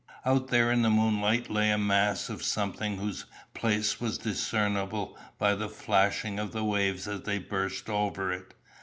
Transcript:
Out there in the moonlight lay a mass of something whose place was discernible by the flashing of the waves as they burst over it.